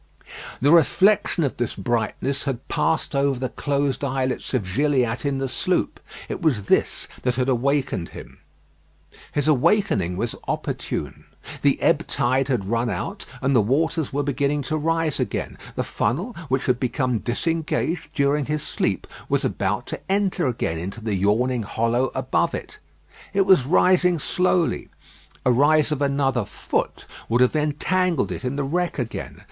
The reflection of this brightness had passed over the closed eyelids of Gilliatt in the sloop. It was this that had awakened him. His awakening was opportune. The ebb tide had run out, and the waters were beginning to rise again. The funnel, which had become disengaged during his sleep, was about to enter again into the yawning hollow above it. It was rising slowly. A rise of another foot would have entangled it in the wreck again.